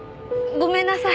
ごめんなさい！